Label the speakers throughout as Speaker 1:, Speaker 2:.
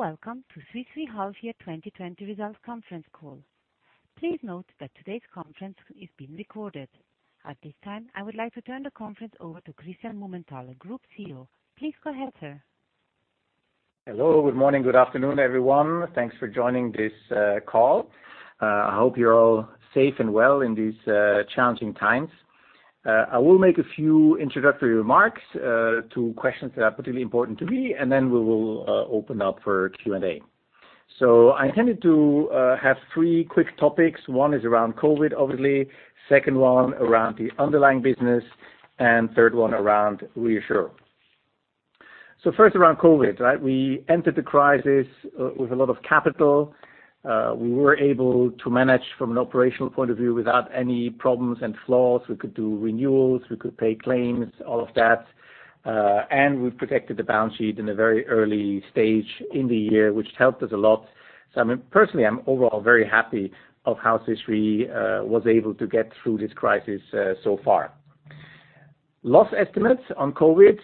Speaker 1: Welcome to Swiss Re half year 2020 results conference call. Please note that today's conference is being recorded. At this time, I would like to turn the conference over to Christian Mumenthaler, Group CEO. Please go ahead, sir.
Speaker 2: Hello. Good morning, good afternoon, everyone. Thanks for joining this call. I hope you're all safe and well in these challenging times. I will make a few introductory remarks to questions that are particularly important to me, and then we will open up for Q&A. I intended to have three quick topics. One is around COVID-19, obviously, second one around the underlying business, and third one around ReAssure. First around COVID-19, right? We entered the crisis with a lot of capital. We were able to manage from an operational point of view without any problems and flaws. We could do renewals, we could pay claims, all of that. We protected the balance sheet in a very early stage in the year, which helped us a lot. Personally, I'm overall very happy of how Swiss Re was able to get through this crisis so far. Loss estimates on COVID,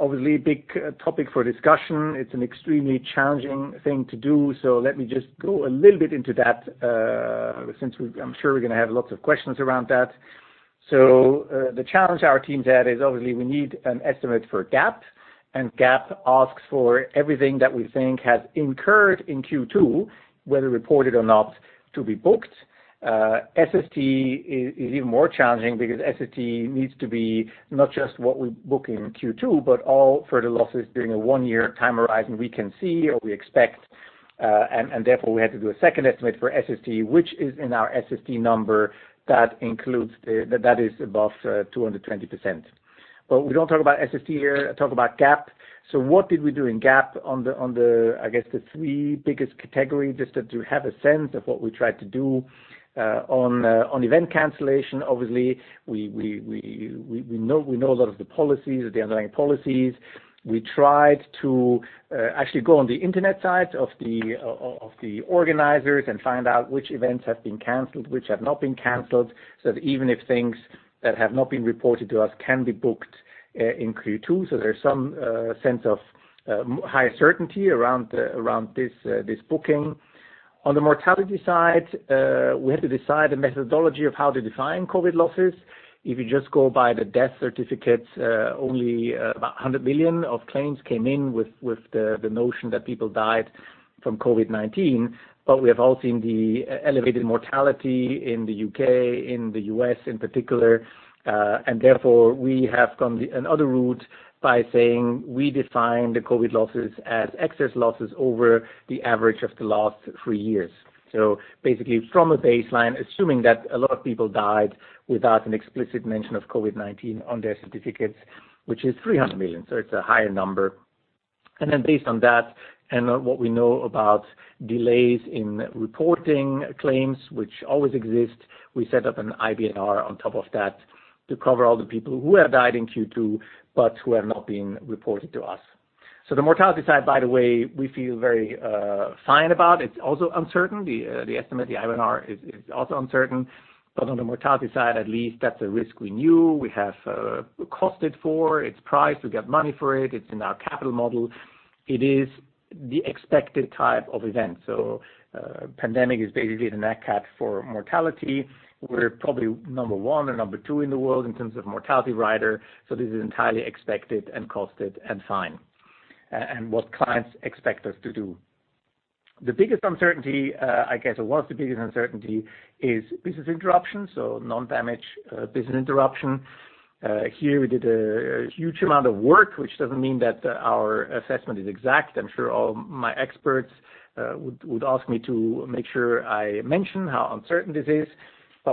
Speaker 2: obviously big topic for discussion. It's an extremely challenging thing to do, so let me just go a little bit into that, since I'm sure we're going to have lots of questions around that. The challenge our team had is obviously we need an estimate for GAAP, and GAAP asks for everything that we think has incurred in Q2, whether reported or not, to be booked. SST is even more challenging because SST needs to be not just what we book in Q2, but all further losses during a one-year time horizon we can see or we expect. Therefore, we had to do a second estimate for SST, which is in our SST number that is above 220%. We don't talk about SST here, I talk about GAAP. What did we do in GAAP on the three biggest category, just to have a sense of what we tried to do. On event cancellation, obviously, we know a lot of the underlying policies. We tried to actually go on the internet site of the organizers and find out which events have been canceled, which have not been canceled, so that even if things that have not been reported to us can be booked in Q2. There's some sense of high certainty around this booking. On the mortality side, we had to decide a methodology of how to define COVID losses. If you just go by the death certificates, only about $100 million of claims came in with the notion that people died from COVID-19. We have all seen the elevated mortality in the U.K., in the U.S. in particular. Therefore, we have gone another route by saying we define the COVID losses as excess losses over the average of the last three years. Basically, from a baseline, assuming that a lot of people died without an explicit mention of COVID-19 on their certificates, which is $300 million. It's a higher number. Based on that and on what we know about delays in reporting claims, which always exist, we set up an IBNR on top of that to cover all the people who have died in Q2 but who have not been reported to us. The mortality side, by the way, we feel very fine about. It's also uncertain. The estimate, the IBNR, is also uncertain, but on the mortality side, at least, that's a risk we knew, we have costed for, it's priced, we get money for it. It's in our capital model. It is the expected type of event. Pandemic is basically the NatCat for mortality. We're probably number one or number two in the world in terms of mortality rider. This is entirely expected and costed and fine, and what clients expect us to do. The biggest uncertainty, I guess it was the biggest uncertainty, is business interruption, so non-damage business interruption. Here we did a huge amount of work, which doesn't mean that our assessment is exact. I'm sure all my experts would ask me to make sure I mention how uncertain this is.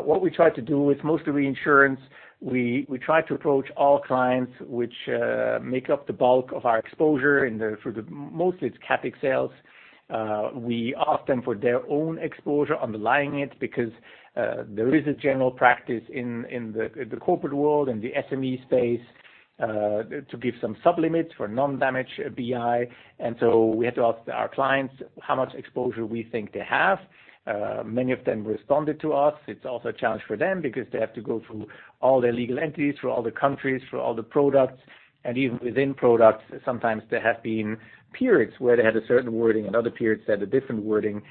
Speaker 2: What we try to do with mostly reinsurance, we try to approach all clients which make up the bulk of our exposure. Mostly it's facultative sales. We ask them for their own exposure, underlying it, because there is a general practice in the corporate world and the SME space, to give some sub-limits for non-damage BI. We had to ask our clients how much exposure we think they have. Many of them responded to us. It's also a challenge for them because they have to go through all their legal entities, through all the countries, through all the products, and even within products, sometimes there have been periods where they had a certain wording and other periods they had a different wording.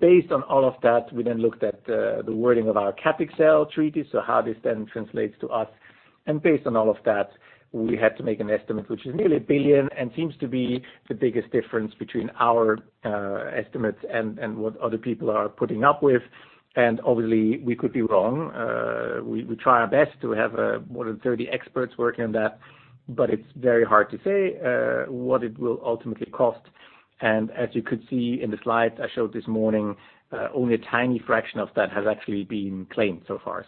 Speaker 2: Based on all of that, we then looked at the wording of our Cat XL treaty, how this then translates to us. Based on all of that, we had to make an estimate, which is nearly $1 billion, and seems to be the biggest difference between our estimates and what other people are putting up with. Obviously we could be wrong. We try our best to have more than 30 experts working on that, but it's very hard to say what it will ultimately cost. As you could see in the slides I showed this morning, only a tiny fraction of that has actually been claimed so far.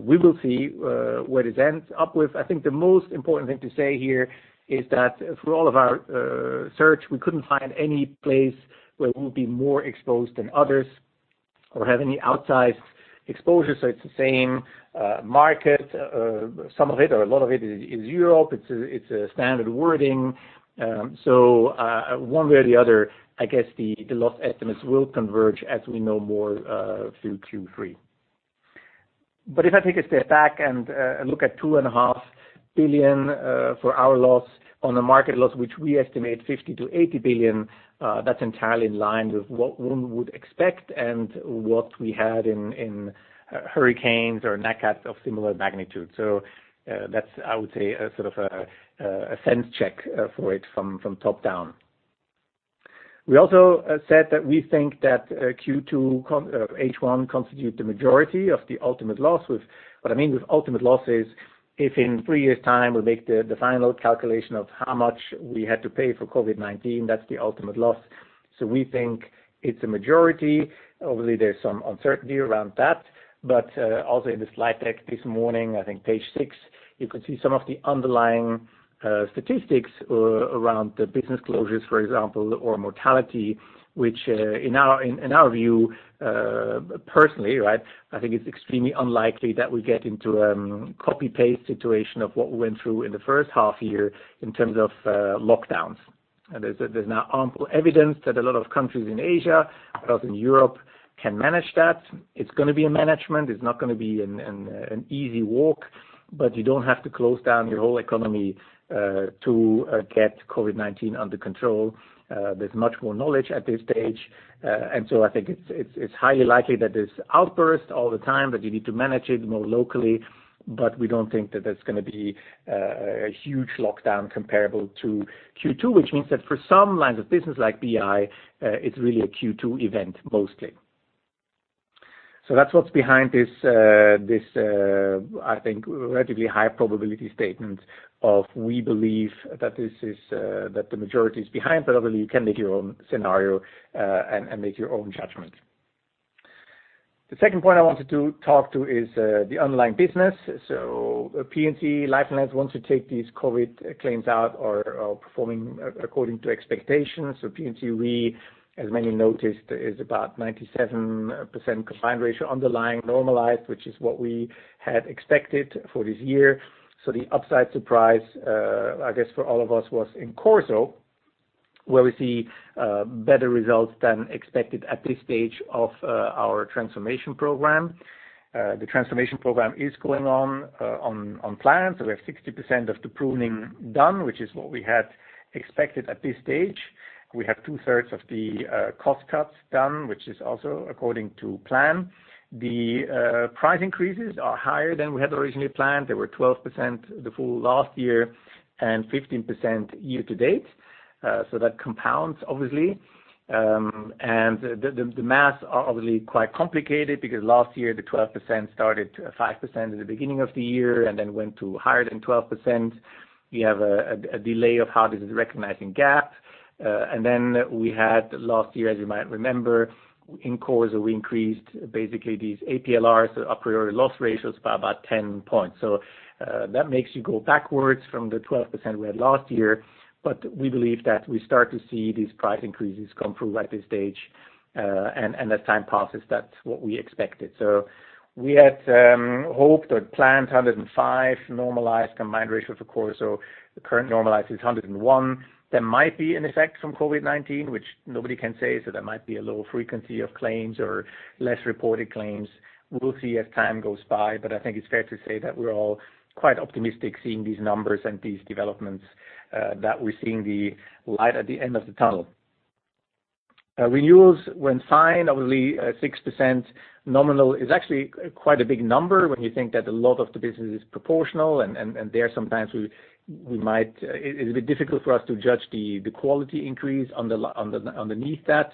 Speaker 2: We will see where this ends up with. I think the most important thing to say here is that through all of our search, we couldn't find any place where we'll be more exposed than others or have any outsized exposure. It's the same market. Some of it, or a lot of it is Europe. It's a standard wording. One way or the other, I guess the loss estimates will converge as we know more through Q3. If I take a step back and look at $2.5 billion for our loss on the market loss, which we estimate $50 billion-$80 billion, that's entirely in line with what one would expect and what we had in hurricanes or 19 NatCat of similar magnitude. That's, I would say, a sort of a sense check for it from top down. We also said that we think that Q2 of H1 constitute the majority of the ultimate loss. What I mean with ultimate loss is, if in three years' time we make the final calculation of how much we had to pay for COVID-19, that's the ultimate loss. We think it's a majority. Obviously, there's some uncertainty around that. Also in the slide deck this morning, I think page six, you can see some of the underlying statistics around the business closures, for example, or mortality, which in our view, personally, I think it's extremely unlikely that we get into a copy-paste situation of what we went through in the first half year in terms of lockdowns. There's now ample evidence that a lot of countries in Asia, a lot in Europe can manage that. It's going to be a management. It's not going to be an easy walk, but you don't have to close down your whole economy to get COVID-19 under control. There's much more knowledge at this stage. I think it's highly likely that there's outburst all the time, but you need to manage it more locally. We don't think that that's going to be a huge lockdown comparable to Q2, which means that for some lines of business like BI, it's really a Q2 event mostly. That's what's behind this, I think, relatively high probability statement of, we believe that the majority is behind, but obviously you can make your own scenario, and make your own judgment. The second point I wanted to talk to is the underlying business. P&C lifelines, once you take these COVID claims out, are performing according to expectations. P&C Re, as many noticed, is about 97% combined ratio underlying normalized, which is what we had expected for this year. The upside surprise, I guess, for all of us was in Corporate Solutions, where we see better results than expected at this stage of our transformation program. The transformation program is going on plan. We have 60% of the pruning done, which is what we had expected at this stage. We have two-thirds of the cost cuts done, which is also according to plan. The price increases are higher than we had originally planned. They were 12% the full last year and 15% year-to-date. That compounds obviously. The math are obviously quite complicated because last year the 12% started to 5% in the beginning of the year and then went to higher than 12%. We have a delay of how this is recognized in GAAP. We had last year, as you might remember, in Corporate Solutions, we increased basically these APLRs, the a priori loss ratios, by about 10 points. That makes you go backwards from the 12% we had last year. We believe that we start to see these price increases come through at this stage. As time passes, that's what we expected. We had hoped or planned 105 normalized combined ratio for Corso. The current normalized is 101. There might be an effect from COVID-19, which nobody can say. There might be a low frequency of claims or less reported claims. We'll see as time goes by, but I think it's fair to say that we're all quite optimistic seeing these numbers and these developments, that we're seeing the light at the end of the tunnel. Renewals when signed, obviously, 6% nominal is actually quite a big number when you think that a lot of the business is proportional, and there sometimes it is a bit difficult for us to judge the quality increase underneath that.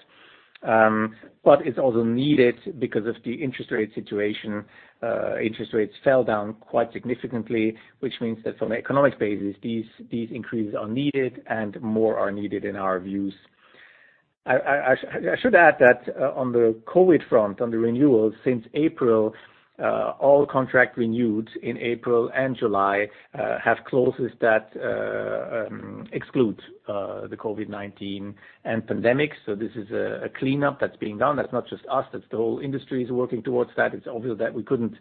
Speaker 2: It's also needed because of the interest rate situation. Interest rates fell down quite significantly, which means that from an economic basis, these increases are needed and more are needed in our views. I should add that on the COVID front, on the renewals since April, all contract renewed in April and July, have clauses that exclude the COVID-19 and pandemic. This is a cleanup that's being done. That's not just us, that's the whole industry is working towards that. It's obvious that we couldn't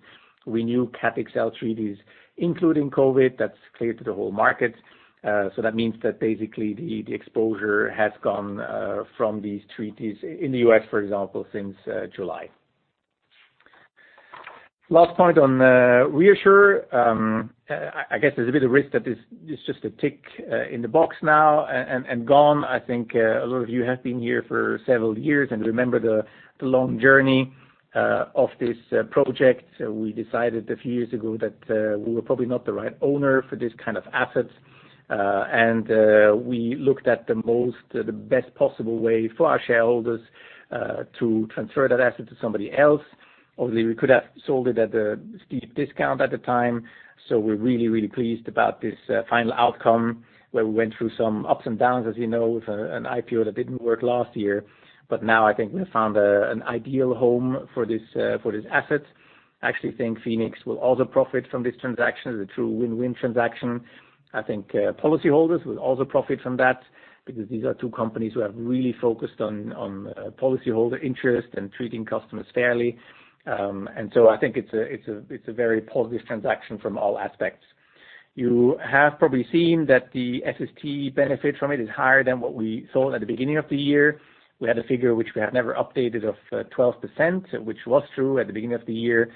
Speaker 2: renew Cat XL treaties, including COVID. That's clear to the whole market. That means that basically the exposure has gone from these treaties in the U.S., for example, since July. Last point on ReAssure. I guess there's a bit of risk that this is just a tick in the box now and gone. I think a lot of you have been here for several years and remember the long journey of this project. We decided a few years ago that we were probably not the right owner for this kind of asset. We looked at the best possible way for our shareholders to transfer that asset to somebody else. Obviously, we could have sold it at a steep discount at the time. We're really pleased about this final outcome where we went through some ups and downs, as you know, with an IPO that didn't work last year. Now I think we found an ideal home for this asset. I actually think Phoenix will also profit from this transaction as a true win-win transaction. I think policyholders will also profit from that because these are two companies who have really focused on policyholder interest and treating customers fairly. I think it's a very positive transaction from all aspects. You have probably seen that the SST benefit from it is higher than what we thought at the beginning of the year. We had a figure which we have never updated of 12%, which was true at the beginning of the year.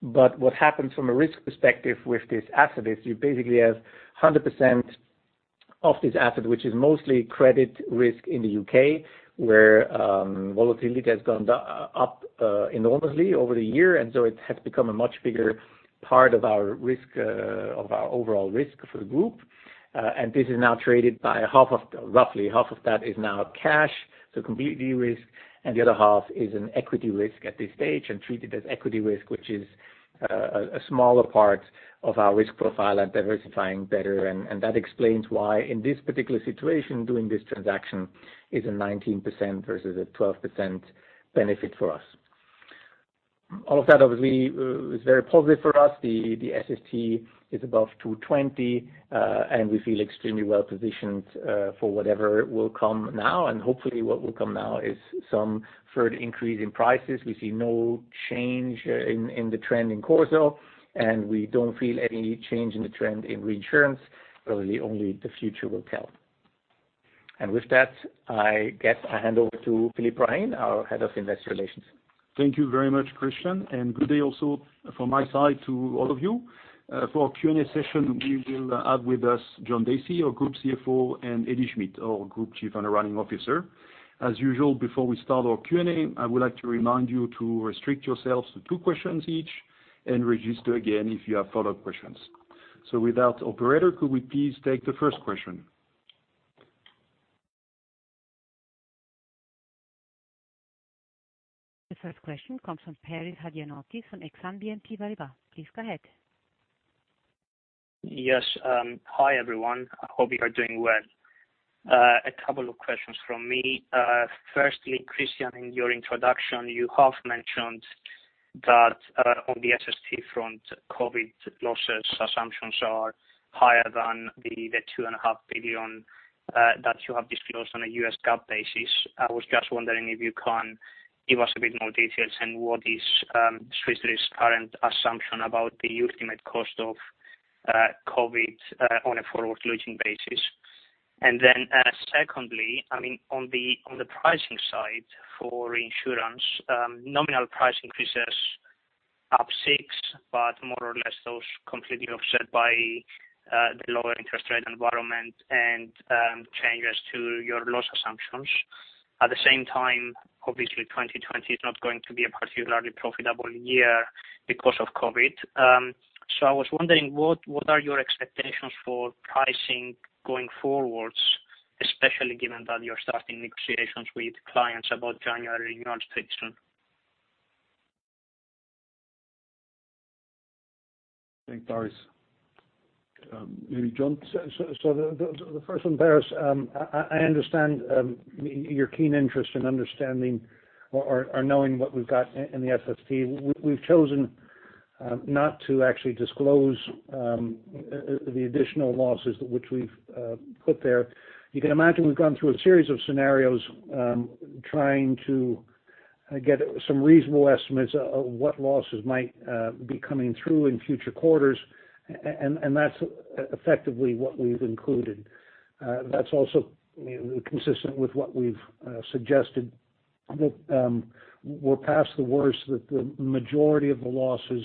Speaker 2: What happens from a risk perspective with this asset is you basically have 100% of this asset, which is mostly credit risk in the U.K., where volatility has gone up enormously over the year. So it has become a much bigger part of our overall risk for the group. This is now traded by roughly half of that is now cash, so completely de-risked, and the other half is an equity risk at this stage and treated as equity risk, which is a smaller part of our risk profile and diversifying better. That explains why in this particular situation, doing this transaction is a 19% versus a 12% benefit for us. All of that obviously is very positive for us. The SST is above 220. We feel extremely well-positioned, for whatever will come now. Hopefully, what will come now is some further increase in prices. We see no change in the trend in Corporate Solutions. We don't feel any change in the trend in reinsurance, only the future will tell. With that, I guess I hand over to Philippe Brahin, our Head of Investor Relations.
Speaker 3: Thank you very much, Christian, and good day also from my side to all of you. For our Q&A session, we will have with us John Dacey, our Group CFO, and Edi Schmid, our Group Chief Underwriting Officer. As usual, before we start our Q&A, I would like to remind you to restrict yourselves to two questions each and register again if you have follow-up questions. With that, Operator, could we please take the first question?
Speaker 1: The first question comes from Paris Hadjiantonis from Exane BNP Paribas. Please go ahead.
Speaker 4: Yes. Hi, everyone. I hope you are doing well. A couple of questions from me. Firstly, Christian, in your introduction, you have mentioned that on the SST front, COVID losses assumptions are higher than the 2.5 Billion that you have disclosed on a U.S. GAAP basis. I was just wondering if you can give us a bit more details on what is Swiss Re's current assumption about the ultimate cost of COVID, on a forward-looking basis. Secondly, on the pricing side for insurance, nominal price increases up six, but more or less those completely offset by the lower interest rate environment and changes to your loss assumptions. At the same time, obviously, 2020 is not going to be a particularly profitable year because of COVID. I was wondering, what are your expectations for pricing going forward, especially given that you're starting negotiations with clients about January, March, April?
Speaker 3: Thanks, Paris. Maybe John?
Speaker 5: The first one, Paris, I understand your keen interest in understanding or knowing what we've got in the SST. We've chosen not to actually disclose the additional losses which we've put there. You can imagine we've gone through a series of scenarios, trying to get some reasonable estimates of what losses might be coming through in future quarters, and that's effectively what we've included. That's also consistent with what we've suggested, that we're past the worst, that the majority of the losses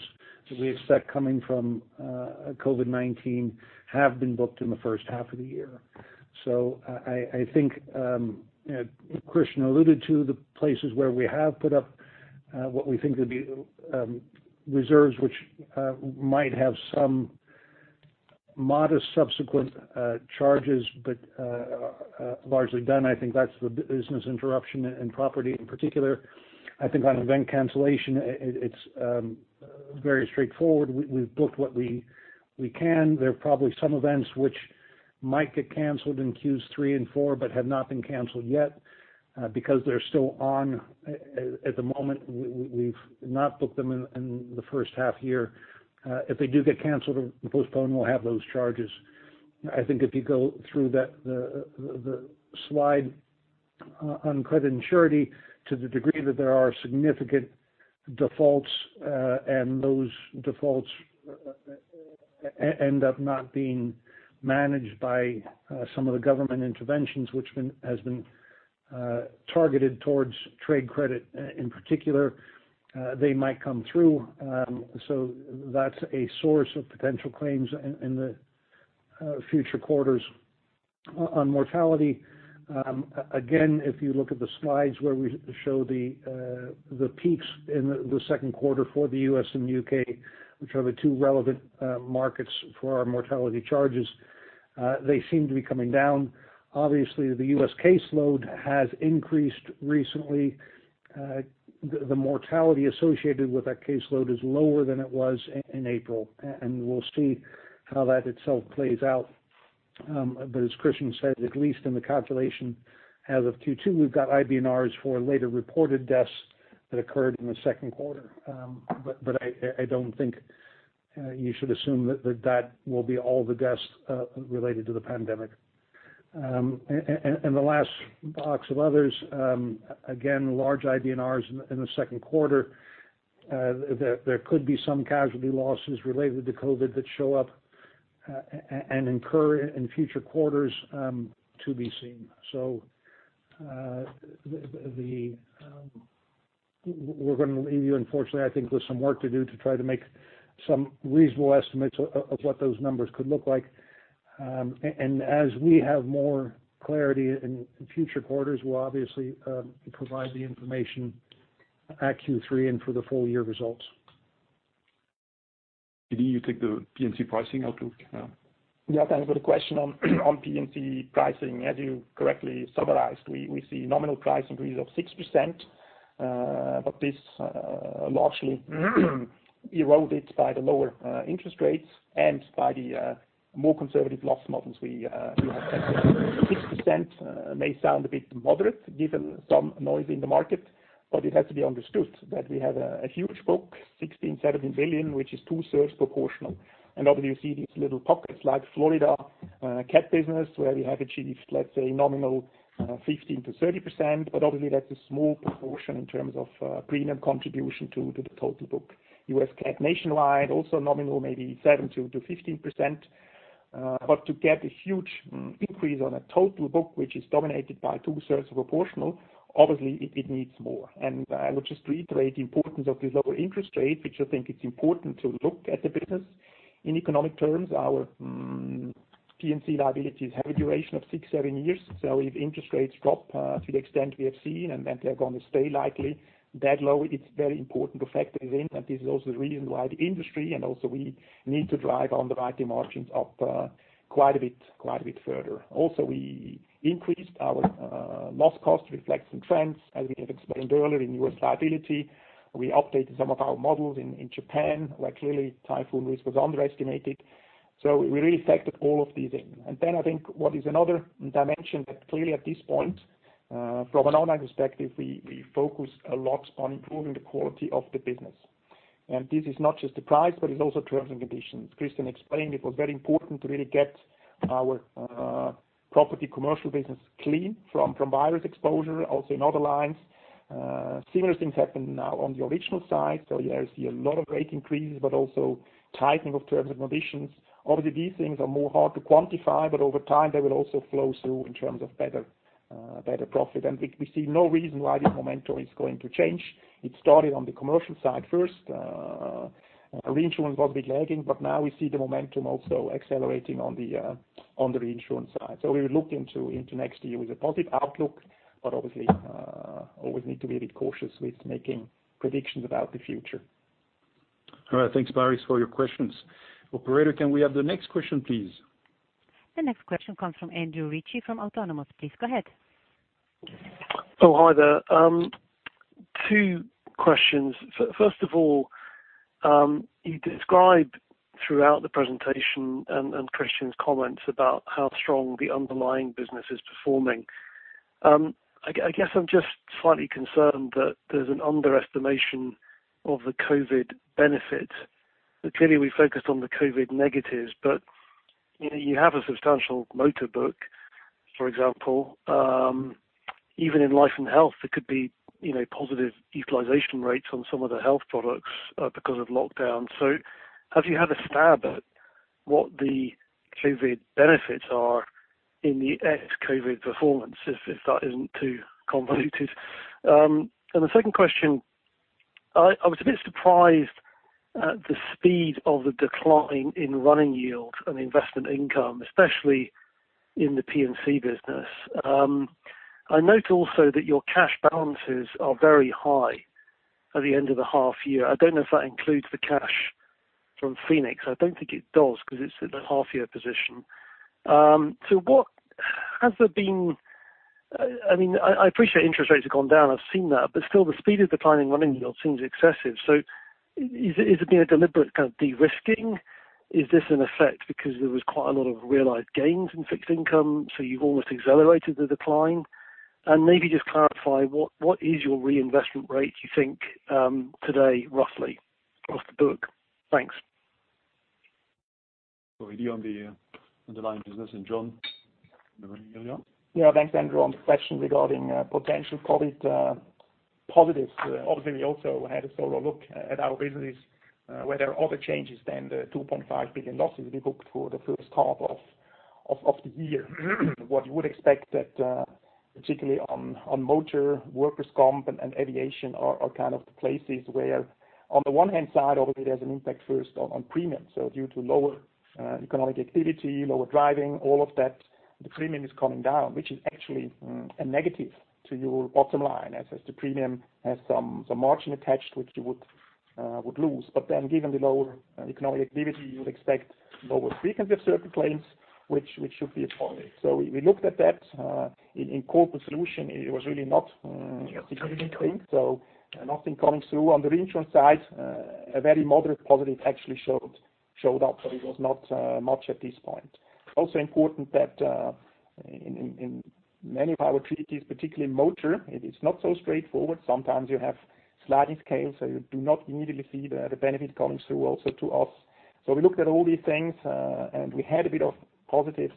Speaker 5: that we expect coming from COVID-19 have been booked in the first half of the year. I think Christian alluded to the places where we have put up what we think would be reserves which might have some modest subsequent charges, but largely done. I think that's the business interruption and property in particular. I think on event cancellation, it's very straightforward. We've booked what we can. There are probably some events which might get canceled in Q3 and Q4, but have not been canceled yet, because they're still on at the moment. We've not booked them in the first half year. If they do get canceled or postponed, we'll have those charges. I think if you go through the slide on credit and surety to the degree that there are significant defaults, and those defaults end up not being managed by some of the government interventions which has been targeted towards trade credit in particular, they might come through. That's a source of potential claims in the future quarters. On mortality, again, if you look at the slides where we show the peaks in the second quarter for the U.S. and U.K., which are the two relevant markets for our mortality charges, they seem to be coming down. Obviously, the U.S. caseload has increased recently. The mortality associated with that caseload is lower than it was in April, and we'll see how that itself plays out. As Christian said, at least in the calculation as of Q2, we've got IBNRs for later reported deaths that occurred in the second quarter. I don't think you should assume that that will be all the deaths related to the pandemic. The last box of others, again, large IBNRs in the second quarter, there could be some casualty losses related to COVID that show up and incur in future quarters to be seen. We're going to leave you, unfortunately, I think, with some work to do to try to make some reasonable estimates of what those numbers could look like. As we have more clarity in future quarters, we'll obviously provide the information at Q3 and for the full year results.
Speaker 3: Edi, you take the P&C pricing outlook now?
Speaker 6: Yeah. Thanks for the question on P&C pricing. As you correctly summarized, we see nominal price increase of 6%. This largely eroded by the lower interest rates and by the more conservative loss models we have tested. 6% may sound a bit moderate given some noise in the market. It has to be understood that we have a huge book, $16 billion-$17 billion, which is two-thirds proportional. Obviously you see these little pockets like Florida cat business where we have achieved, let's say, nominal 15%-30%. Obviously that's a small proportion in terms of premium contribution to the total book. U.S. cat nationwide, also nominal, maybe 7%-15%. To get a huge increase on a total book, which is dominated by two-thirds proportional, obviously it needs more. I would just reiterate the importance of these lower interest rates, which I think it's important to look at the business in economic terms. Our P&C liabilities have a duration of six, seven years. If interest rates drop to the extent we have seen, and that they're going to stay likely that low, it's very important to factor this in. This is also the reason why the industry and also we need to drive on the writing margins up quite a bit further. We increased our loss cost to reflect some trends, as we have explained earlier in U.S. liability. We updated some of our models in Japan, where clearly typhoon risk was underestimated. We really factored all of these in. I think what is another dimension that clearly at this point, from an online perspective, we focus a lot on improving the quality of the business. This is not just the price, but it's also terms and conditions. Christian explained it was very important to really get our property commercial business clean from virus exposure, also in other lines. Similar things happen now on the original side. You see a lot of rate increases, but also tightening of terms and conditions. Obviously, these things are more hard to quantify, but over time, they will also flow through in terms of better profit. We see no reason why this momentum is going to change. It started on the commercial side first. Reinsurance was a bit lagging, but now we see the momentum also accelerating on the reinsurance side. We will look into next year with a positive outlook, but obviously, always need to be a bit cautious with making predictions about the future.
Speaker 3: All right. Thanks, Paris, for your questions. Operator, can we have the next question, please?
Speaker 1: The next question comes from Andrew Ritchie from Autonomous. Please go ahead.
Speaker 7: Hi there. Two questions. First of all, you describe throughout the presentation and Christian's comments about how strong the underlying business is performing. I guess I'm just slightly concerned that there's an underestimation of the COVID benefit. Clearly, we focused on the COVID negatives, but you have a substantial motor book, for example. Even in life and health, there could be positive utilization rates on some of the health products because of lockdown. Have you had a stab at what the COVID benefits are in the ex-COVID performance, if that isn't too convoluted? The second question, I was a bit surprised at the speed of the decline in running yield and investment income, especially in the P&C business. I note also that your cash balances are very high at the end of the half year. I don't know if that includes the cash from Phoenix. I don't think it does because it's at the half year position. I appreciate interest rates have gone down. I've seen that, but still the speed of declining running yield seems excessive. Is it been a deliberate kind of de-risking? Is this an effect because there was quite a lot of realized gains in fixed income, so you've almost accelerated the decline? Maybe just clarify what is your reinvestment rate, you think, today, roughly, across the book? Thanks.
Speaker 3: You on the underlying business, and John, the running yield.
Speaker 6: Thanks, Andrew, on the question regarding potential COVID positives. We also had a thorough look at our business where there are other changes than the $2.5 billion losses we booked for the first half of the year. What you would expect that particularly on motor, workers comp, and aviation are kind of the places where on the one hand side, obviously there's an impact first on premium. Due to lower economic activity, lower driving, all of that, the premium is coming down, which is actually a negative to your bottom line as the premium has some margin attached which you would lose. Given the lower economic activity, you would expect lower frequency of certain claims, which should be a positive. We looked at that. In Corporate Solutions, it was really not a significant thing. Nothing coming through. On the reinsurance side, a very moderate positive actually showed up, but it was not much at this point. Also important that in many of our treaties, particularly in motor, it is not so straightforward. Sometimes you have sliding scales, so you do not immediately see the benefit coming through also to us. We looked at all these things, and we had a bit of positives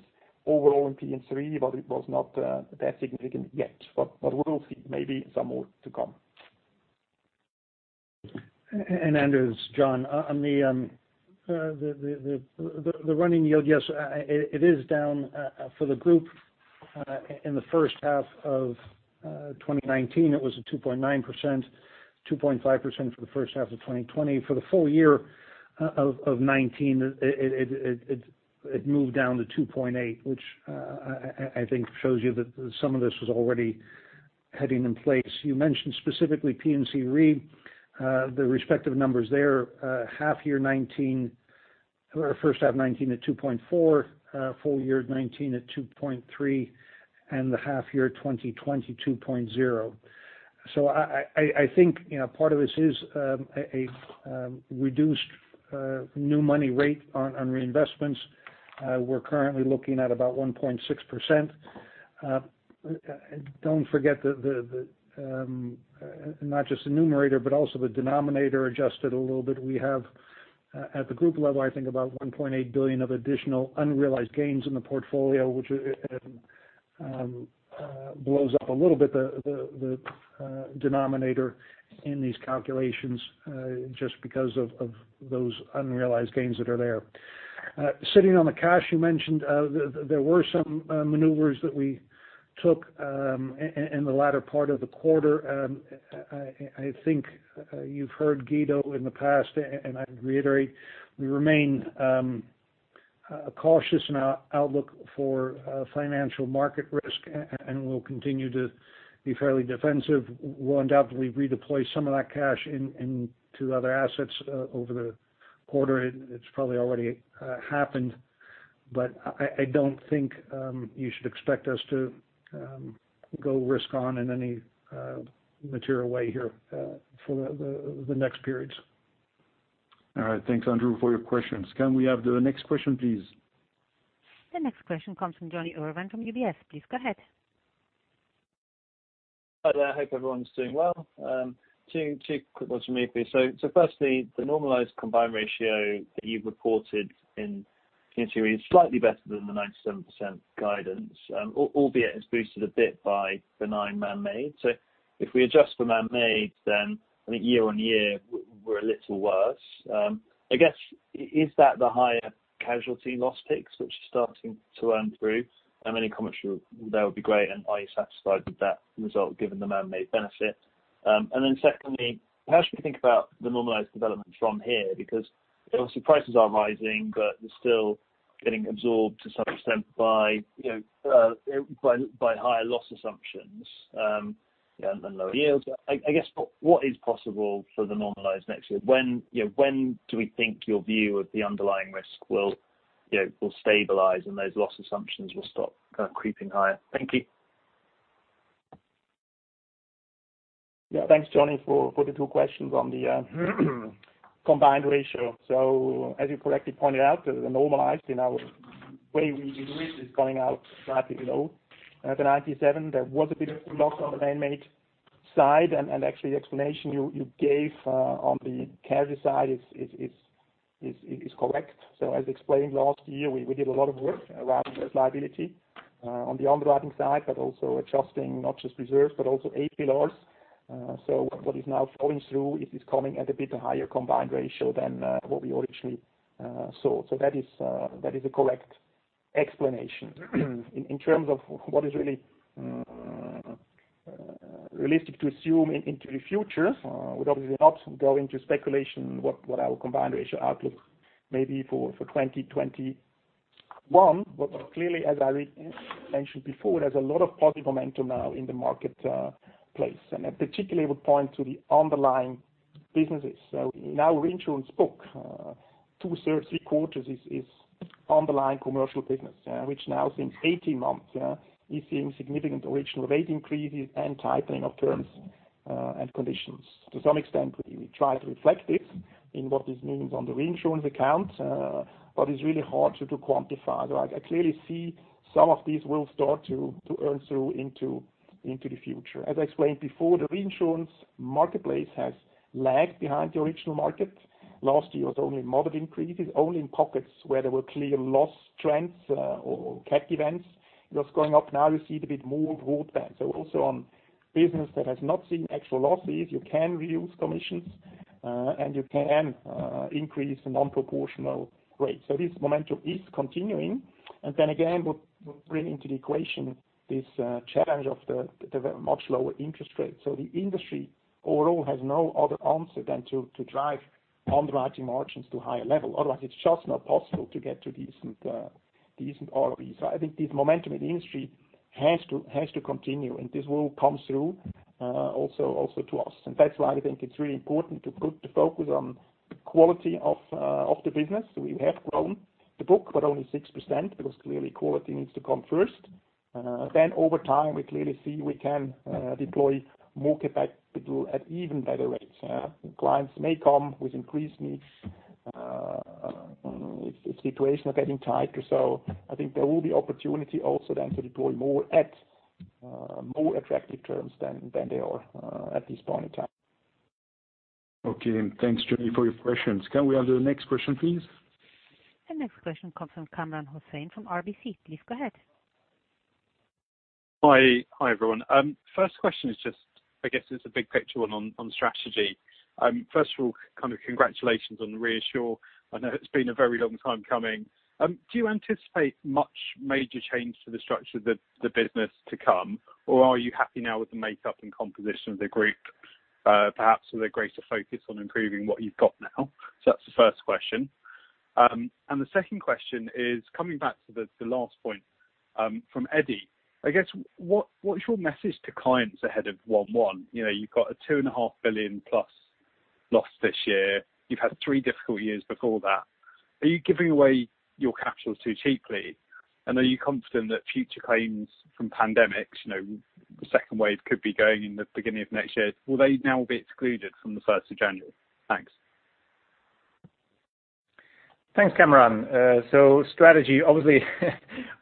Speaker 6: overall in P&C Re, but it was not that significant yet. We will see maybe some more to come.
Speaker 5: Andrew, it's John. On the running yield, yes, it is down for the group. In the first half of 2019, it was at 2.9%, 2.5% for the first half of 2020. For the full year of 2019, it moved down to 2.8%, which I think shows you that some of this was already heading in place. You mentioned specifically P&C Re, the respective numbers there, first half 2019 at 2.4%, full year 2019 at 2.3%, and the half year 2020, 2.0%. I think, part of this is a reduced new money rate on reinvestments. We're currently looking at about 1.6%. Don't forget that not just the numerator, but also the denominator adjusted a little bit. We have, at the group level, I think about 1.8 billion of additional unrealized gains in the portfolio, which blows up a little bit the denominator in these calculations, just because of those unrealized gains that are there. Sitting on the cash you mentioned, there were some maneuvers that we took in the latter part of the quarter. I think you've heard Guido in the past, and I reiterate, we remain cautious in our outlook for financial market risk and we'll continue to be fairly defensive. We'll undoubtedly redeploy some of that cash into other assets, over the quarter. It's probably already happened, but I don't think you should expect us to go risk-on in any material way here for the next periods.
Speaker 3: All right. Thanks, Andrew, for your questions. Can we have the next question, please?
Speaker 1: The next question comes from Jonny Urwin from UBS. Please go ahead.
Speaker 8: Hi there. I hope everyone's doing well. Two quick ones from me, please. Firstly, the normalized combined ratio that you've reported in Q2 is slightly better than the 97% guidance, albeit it's boosted a bit by benign man-made. If we adjust for man-made, then I think year-on-year we're a little worse. I guess, is that the higher casualty loss picks which are starting to earn through? Any comments there would be great. Are you satisfied with that result given the man-made benefit? Secondly, how should we think about the normalized development from here? Obviously prices are rising, but they're still getting absorbed to some extent by higher loss assumptions, and lower yields. I guess, what is possible for the normalized next year? When do we think your view of the underlying risk will stabilize and those loss assumptions will stop creeping higher? Thank you.
Speaker 6: Yeah. Thanks, Jonny, for the two questions on the combined ratio. As you correctly pointed out, the normalized in our way we do it is coming out slightly below the 97. There was a bit of luck on the man-made side, and actually, the explanation you gave on the casualty side is correct. As explained last year, we did a lot of work around this liability, on the underwriting side, but also adjusting not just reserves, but also APLRs. What is now flowing through is it's coming at a bit higher combined ratio than what we originally saw. That is a correct explanation. In terms of what is really realistic to assume into the future, we'd obviously not go into speculation what our combined ratio outlook may be for 2021. Clearly, as I mentioned before, there's a lot of positive momentum now in the marketplace, and I particularly would point to the underlying businesses. In our reinsurance book, two-thirds, three-quarters is underlying commercial business. Which now since 18 months, is seeing significant original rate increases and tightening of terms and conditions. To some extent, we try to reflect this in what this means on the reinsurance account, but it's really hard to quantify. I clearly see some of these will start to earn through into the future. As I explained before, the reinsurance marketplace has lagged behind the original market. Last year was only moderate increases, only in pockets where there were clear loss trends or cat events. It was going up. Now you see it a bit more broad, also on business that has not seen actual losses, you can reuse commissions, and you can increase non-proportional rates. This momentum is continuing. Again, we bring into the equation this challenge of the much lower interest rates. The industry overall has no other answer than to drive underwriting margins to higher level. Otherwise, it's just not possible to get to decent ROE. I think this momentum in the industry has to continue, and this will come through, also to us. That's why I think it's really important to put the focus on the quality of the business. We have grown the book, but only 6%, because clearly quality needs to come first. Over time, we clearly see we can deploy more capital at even better rates. Clients may come with increased needs on situation are getting tighter. I think there will be opportunity also then to deploy more at more attractive terms than they are at this point in time.
Speaker 3: Okay. Thanks, Johnny, for your questions. Can we have the next question, please?
Speaker 1: The next question comes from Kamran Hossain from RBC. Please go ahead.
Speaker 9: Hi, everyone. First question is just, I guess it's a big picture one on strategy. First of all, kind of congratulations on the ReAssure. I know it's been a very long time coming. Do you anticipate much major change to the structure of the business to come, or are you happy now with the makeup and composition of the group? Perhaps with a greater focus on improving what you've got now. That's the first question. The second question is coming back to the last point from Edi. I guess, what's your message to clients ahead of 1/1? You've got a $2.5 billion loss this year. You've had three difficult years before that. Are you giving away your capital too cheaply? Are you confident that future claims from pandemics, the second wave could be going in the beginning of next year, will they now be excluded from the 1st of January? Thanks.
Speaker 2: Thanks, Kamran. Strategy, obviously is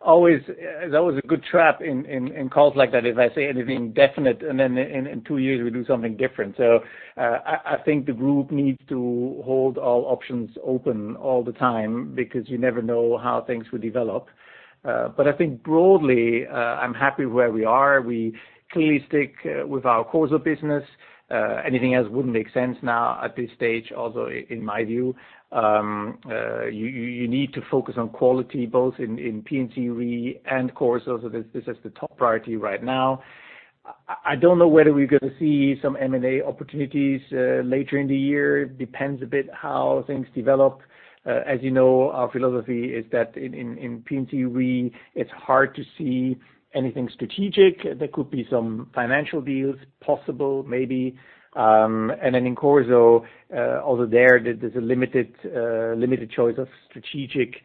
Speaker 2: always a good trap in calls like that if I say anything definite and then in two years we do something different. I think the group needs to hold all options open all the time because you never know how things will develop. I think broadly, I'm happy where we are. We clearly stick with our course of business. Anything else wouldn't make sense now at this stage, although in my view. You need to focus on quality both in P&C Re and Corso. This is the top priority right now. I don't know whether we're going to see some M&A opportunities later in the year. Depends a bit how things develop. As you know, our philosophy is that in P&C Re, it's hard to see anything strategic. There could be some financial deals possible, maybe. In Corso, although there's a limited choice of strategic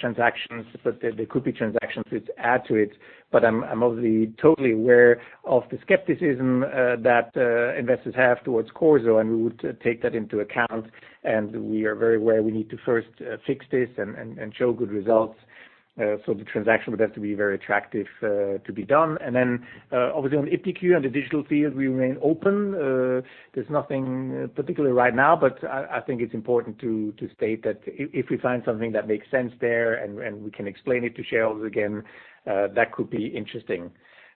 Speaker 2: transactions, but there could be transactions which add to it. I'm obviously totally aware of the skepticism that investors have towards Corso, and we would take that into account, and we are very aware we need to first fix this and show good results. The transaction would have to be very attractive to be done. Obviously on iptiQ and the digital field, we remain open. There's nothing particular right now, but I think it's important to state that if we find something that makes sense there and we can explain it to shareholders again, that could be interesting.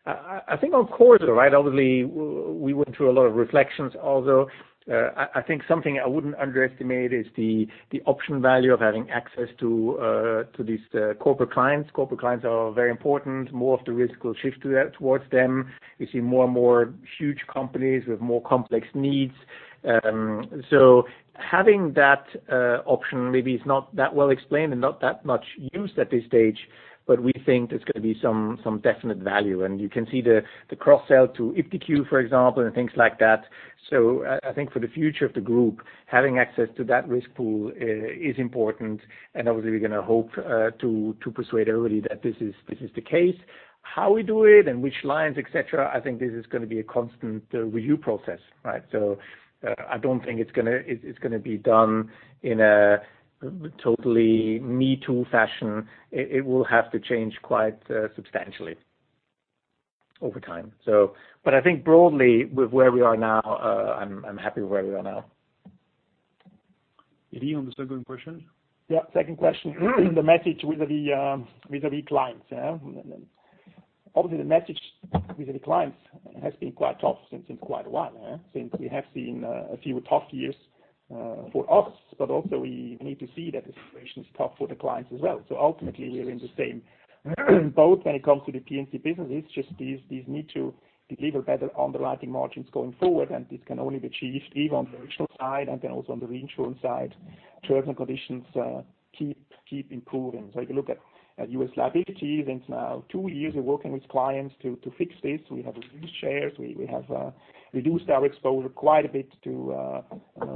Speaker 2: I think on Corso, right, obviously, we went through a lot of reflections. Although, I think something I wouldn't underestimate is the option value of having access to these corporate clients. Corporate clients are very important. More of the risk will shift towards them. You see more and more huge companies with more complex needs. Having that option maybe is not that well explained and not that much used at this stage, but we think there's going to be some definite value. You can see the cross sell to iptiQ, for example, and things like that. I think for the future of the group, having access to that risk pool is important, and obviously we're going to hope to persuade everybody that this is the case. How we do it and which lines, et cetera, I think this is going to be a constant review process, right? I don't think it's going to be done in a totally me too fashion. It will have to change quite substantially over time. I think broadly with where we are now, I'm happy where we are now.
Speaker 3: Edi, on the second question.
Speaker 6: Yeah, second question. The message vis-a-vis clients. Obviously, the message vis-a-vis clients has been quite tough since quite a while. Since we have seen a few tough years for us, but also we need to see that the situation is tough for the clients as well. Ultimately, we're in the same boat when it comes to the P&C business. It's just these need to deliver better underwriting margins going forward, and this can only be achieved even on the original side and then also on the reinsurance side. Terms and conditions keep improving. If you look at U.S. liabilities, it's now two years of working with clients to fix this. We have reduced shares. We have reduced our exposure quite a bit to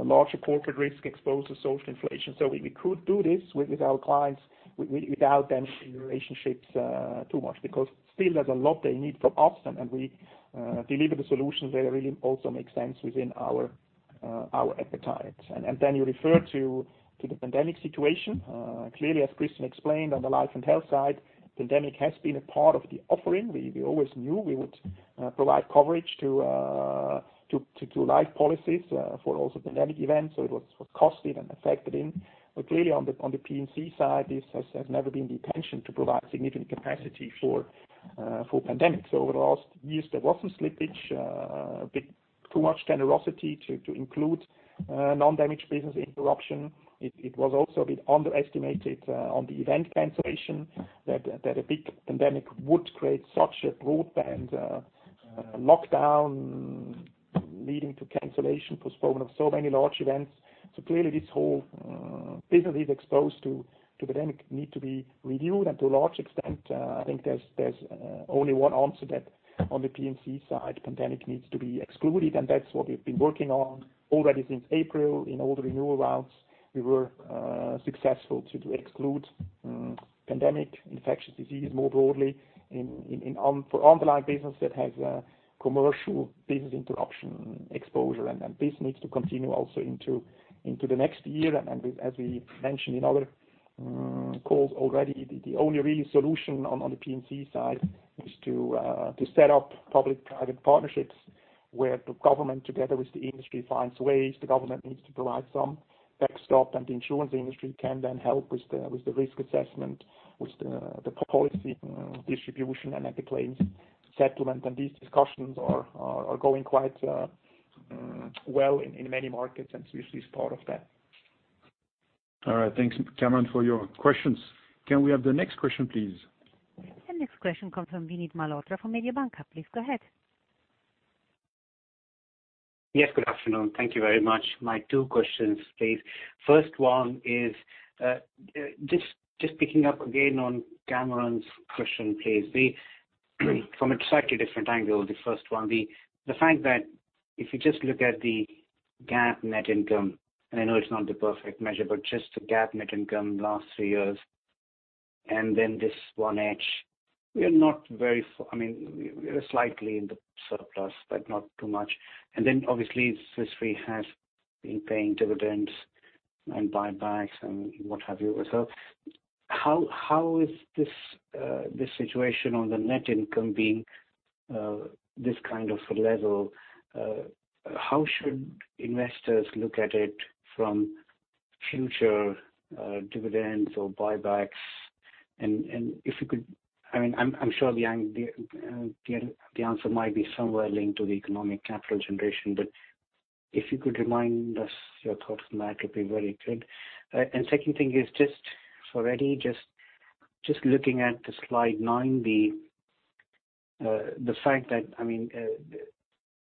Speaker 6: larger corporate risk exposed to social inflation. We could do this with our clients without them seeing relationships too much, because still there's a lot they need from us, and we deliver the solutions that really also make sense within our appetite. Then you refer to the pandemic situation. Clearly, as Christian explained on the life and health side, pandemic has been a part of the offering. We always knew we would provide coverage to life policies for also pandemic events, so it was costed and factored in. Clearly on the P&C side, this has never been the intention to provide significant capacity for pandemic. Over the last years, there was some slippage, a bit too much generosity to include non-damage business interruption. It was also a bit underestimated on the event cancellation that a big pandemic would create such a broadband lockdown leading to cancellation, postponement of so many large events. Clearly this whole business is exposed to pandemic need to be reviewed, and to a large extent, I think there's only one answer that on the P&C side, pandemic needs to be excluded. That's what we've been working on already since April. In all the renewal rounds, we were successful to exclude. Pandemic, infectious disease more broadly for underlying business that has commercial business interruption exposure. This needs to continue also into the next year. As we mentioned in other calls already, the only real solution on the P&C side is to set up public-private partnerships where the government, together with the industry, finds ways the government needs to provide some backstop, and the insurance industry can then help with the risk assessment, with the policy distribution, and then the claims settlement. These discussions are going quite well in many markets, and Swiss Re is part of that.
Speaker 3: All right. Thanks, Kamran, for your questions. Can we have the next question, please?
Speaker 1: The next question comes from Vinit Malhotra from Mediobanca. Please go ahead.
Speaker 10: Yes, good afternoon. Thank you very much. My two questions, please. First one is, just picking up again on Kamran's question, please, from a slightly different angle, the first one, the fact that if you just look at the GAAP net income, and I know it's not the perfect measure, but just the GAAP net income last three years, and then this 1H, we are slightly in the surplus, but not too much. Obviously Swiss Re has been paying dividends and buybacks and what have you. How is this situation on the net income being this kind of level? How should investors look at it from future dividends or buybacks? I'm sure the answer might be somewhere linked to the economic capital generation, but if you could remind us your thoughts on that, it'd be very good. Second thing is just for Edi, just looking at the slide nine, the fact that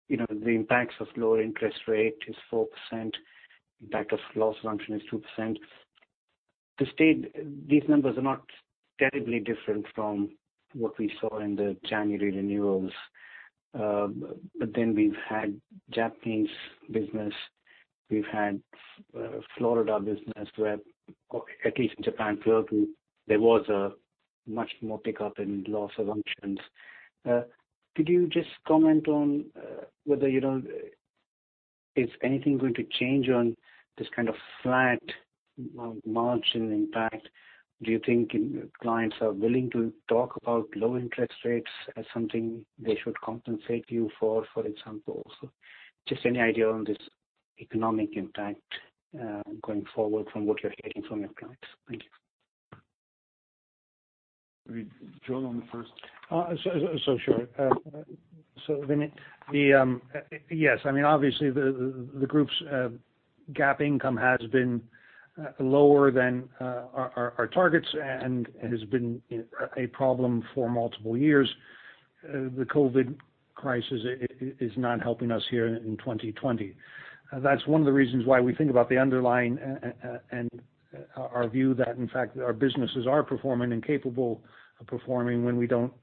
Speaker 10: the impacts of lower interest rate is 4%, impact of loss function is 2%. These numbers are not terribly different from what we saw in the January renewals. Then we've had Japanese business, we've had Florida business, where at least in Japan, Florida, there was a much more pickup in loss assumptions. Could you just comment on whether is anything going to change on this kind of flat margin impact? Do you think clients are willing to talk about low interest rates as something they should compensate you for example? Just any idea on this economic impact going forward from what you're hearing from your clients. Thank you.
Speaker 3: Maybe John on the first.
Speaker 5: Sure. Vinit, yes, obviously the group's GAAP income has been lower than our targets and has been a problem for multiple years. The COVID crisis is not helping us here in 2020. That's one of the reasons why we think about the underlying and our view that, in fact, our businesses are performing and capable of performing when we don't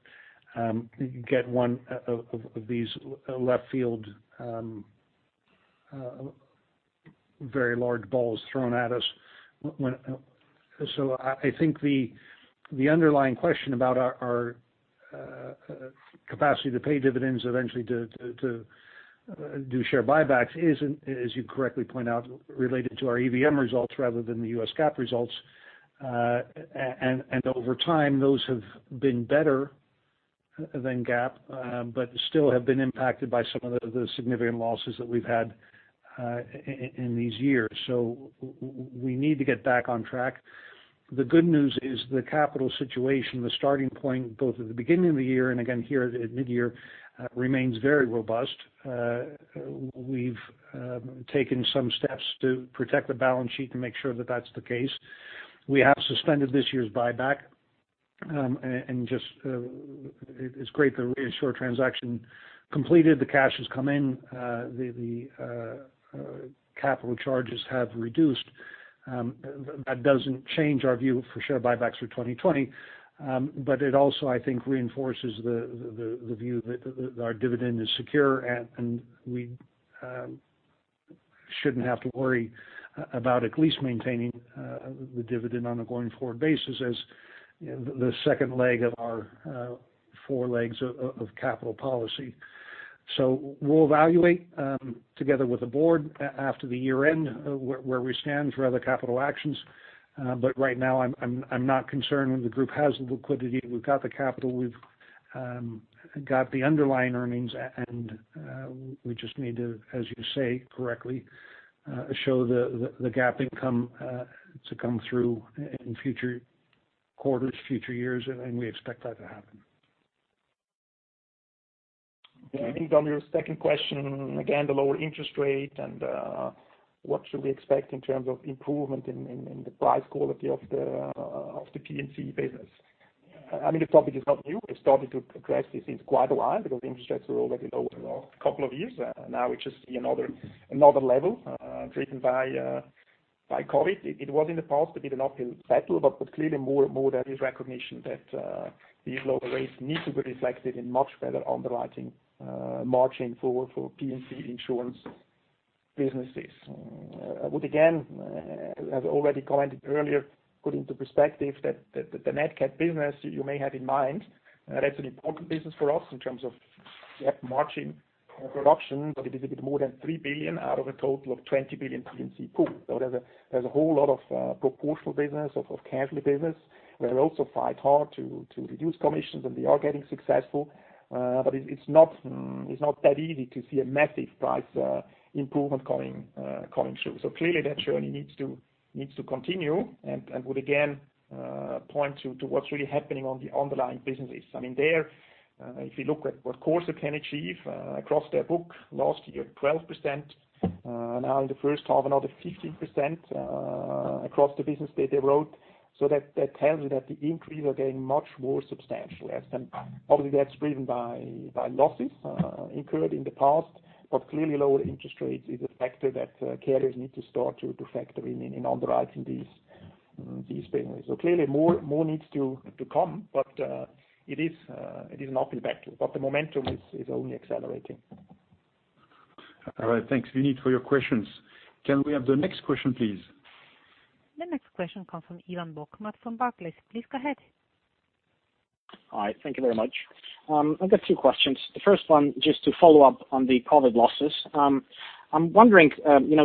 Speaker 5: get one of these left field very large balls thrown at us. I think the underlying question about our capacity to pay dividends eventually to do share buybacks is, as you correctly point out, related to our EVM results rather than the U.S. GAAP results. Over time, those have been better than GAAP, but still have been impacted by some of the significant losses that we've had in these years. We need to get back on track. The good news is the capital situation, the starting point, both at the beginning of the year and again here at mid-year, remains very robust. We've taken some steps to protect the balance sheet to make sure that that's the case. We have suspended this year's buyback. It's great the ReAssure transaction completed, the cash has come in, the capital charges have reduced. That doesn't change our view for share buybacks for 2020. It also, I think, reinforces the view that our dividend is secure, and we shouldn't have to worry about at least maintaining the dividend on a going forward basis as the second leg of our four legs of capital policy. We'll evaluate, together with the board, after the year end, where we stand for other capital actions. Right now, I'm not concerned. The group has the liquidity, we've got the capital, we've got the underlying earnings, and we just need to, as you say correctly, show the GAAP income to come through in future quarters, future years, and we expect that to happen.
Speaker 6: I think on your second question, again, the lower interest rate and what should we expect in terms of improvement in the price quality of the P&C business. The topic is not new. We've started to address this since quite a while because interest rates were already low the last couple of years. Now it's just another level driven by COVID. Clearly more there is recognition that these lower rates need to be reflected in much better underwriting margin forward for P&C insurance. Businesses. I would again, as I already commented earlier, put into perspective that the NatCat business you may have in mind, that's an important business for us in terms of margin production, but it is a bit more than $3 billion out of a total of $20 billion P&C pool. There's a whole lot of proportional business, of casualty business, where we also fight hard to reduce commissions, and we are getting successful. It's not that easy to see a massive price improvement coming through. Clearly that journey needs to continue and would again point to what's really happening on the underlying businesses. There, if you look at what Corporate Solutions can achieve across their book, last year, 12%, now in the first half, another 15% across the business that they wrote. That tells you that the increase are getting much more substantial. Obviously, that's driven by losses incurred in the past, but clearly lower interest rates is a factor that carriers need to start to factor in in underwriting these premiums. Clearly more needs to come, but it is an uphill battle. The momentum is only accelerating.
Speaker 3: All right. Thanks, Vinit, for your questions. Can we have the next question, please?
Speaker 1: The next question comes from Ivan Bokhmat from Barclays. Please go ahead.
Speaker 11: Hi. Thank you very much. I've got two questions. The first one, just to follow up on the COVID losses. I'm wondering,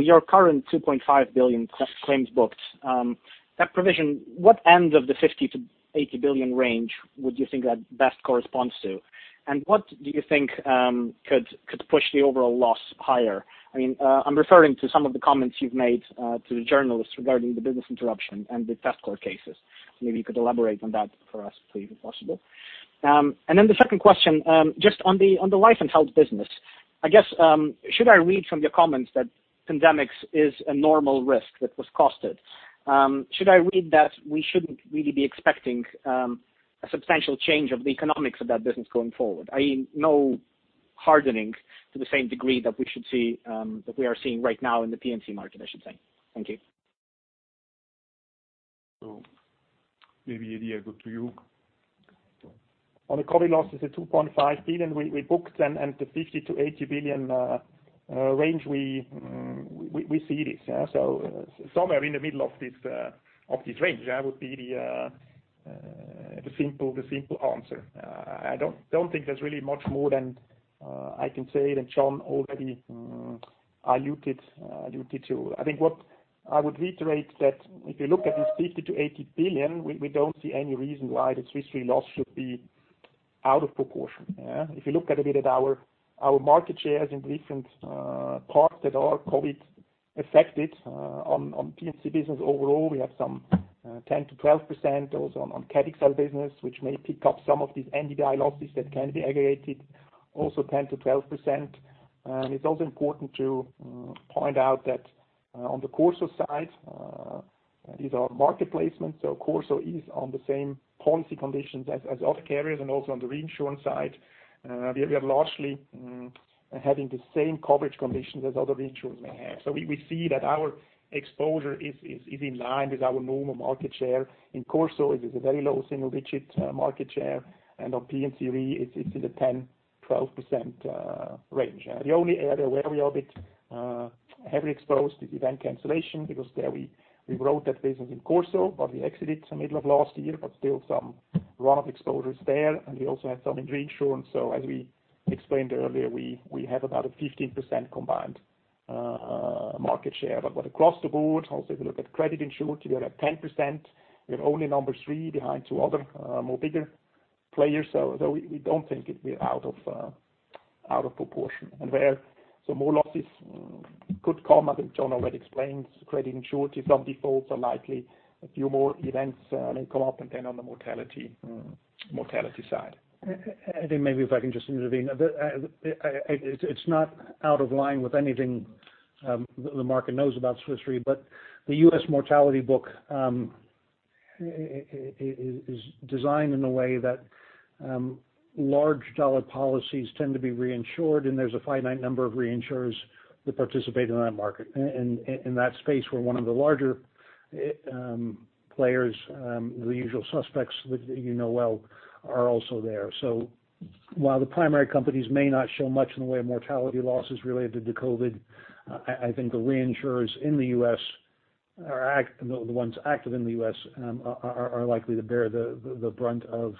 Speaker 11: your current $2.5 billion claims booked, that provision, what end of the $50 billion-$80 billion range would you think that best corresponds to? What do you think could push the overall loss higher? I'm referring to some of the comments you've made to the journalists regarding the business interruption and the test court cases. Maybe you could elaborate on that for us, please, if possible. The second question, just on the life and health business, I guess, should I read from your comments that pandemics is a normal risk that was costed? Should I read that we shouldn't really be expecting a substantial change of the economics of that business going forward? I.e., no hardening to the same degree that we are seeing right now in the P&C market, I should say. Thank you.
Speaker 3: Maybe, Edi, I go to you.
Speaker 6: On the COVID losses at $2.5 billion, we booked them and the $50 billion-$80 billion range, we see this. Somewhere in the middle of this range would be the simple answer. I don't think there's really much more than I can say than John already alluded to. I think what I would reiterate that if you look at this $50 billion-$80 billion, we don't see any reason why the Swiss Re loss should be out of proportion. If you look at a bit at our market shares in different parts that are COVID affected, on P&C business overall, we have some 10%-12% those on Cat XL business, which may pick up some of these NBI losses that can be aggregated, also 10%-12%. It's also important to point out that on the Corso side, these are market placements, so Corso is on the same policy conditions as other carriers, and also on the reinsurance side. We are largely having the same coverage conditions as other reinsurers may have. We see that our exposure is in line with our normal market share. In Corso, it is a very low single-digit market share, and on P&C Re, it's in the 10%-12% range. The only area where we are a bit heavily exposed is event cancellation, because there we wrote that business in Corso, but we exited some middle of last year, but still some run-off exposure is there, and we also had some in reinsurance. As we explained earlier, we have about a 15% combined market share. Across the board, also, if you look at credit insured, we are at 10%. We are only number three behind two other more bigger players. We don't think we are out of proportion. Where some more losses could come, I think John already explained, credit insured, if some defaults are likely, a few more events may come up and then on the mortality side.
Speaker 5: Edi, maybe if I can just intervene. It's not out of line with anything the market knows about Swiss Re, but the U.S. mortality book is designed in a way that large dollar policies tend to be reinsured, and there's a finite number of reinsurers that participate in that market. In that space, we're one of the larger players. The usual suspects that you know well are also there. While the primary companies may not show much in the way of mortality losses related to COVID, I think the reinsurers in the U.S., the ones active in the U.S., are likely to bear the brunt of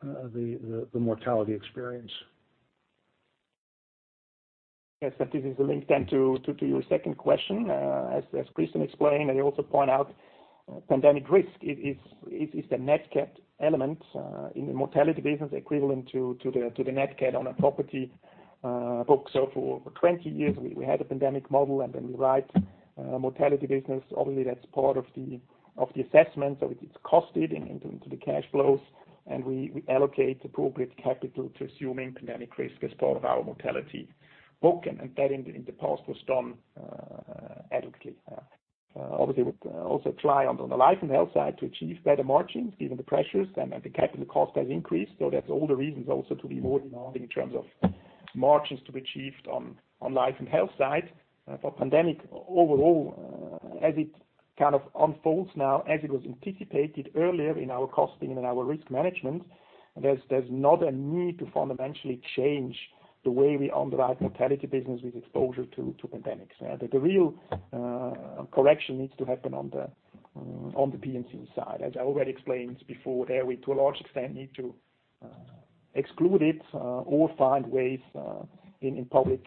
Speaker 5: the mortality experience.
Speaker 6: Yes, that is the link to your second question. As Christian explained, I also point out pandemic risk is the NatCat element in the mortality business equivalent to the NatCat on a property book. For 20 years, we had a pandemic model, and then we write mortality business. Obviously, that's part of the assessment. It's costed into the cash flows, and we allocate appropriate capital to assuming pandemic risk as part of our mortality book, and that in the past was done adequately. Obviously, we would also try on the life and health side to achieve better margins given the pressures and the capital cost has increased. That's all the reasons also to be more demanding in terms of margins to be achieved on life and health side. Pandemic overall, as it kind of unfolds now, as it was anticipated earlier in our costing and in our risk management, there's not a need to fundamentally change the way we underwrite mortality business with exposure to pandemics. The real correction needs to happen on the P&C side. As I already explained before, there, we to a large extent, need to exclude it or find ways in public